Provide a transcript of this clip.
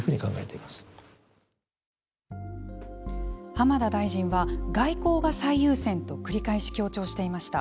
浜田大臣は外交が最優先と繰り返し強調していました。